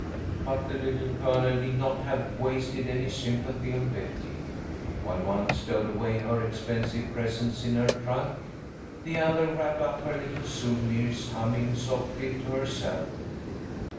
But the Little Colonel need not have wasted any sympathy on Betty. While one stowed away her expensive presents in her trunk, the other wrapped up her little souvenirs, humming softly to herself.